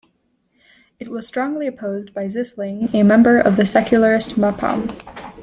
It was strongly opposed by Zisling, a member of the secularist Mapam.